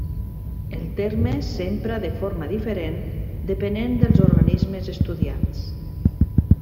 El terme s'empra de forma diferent depenent dels organismes estudiats.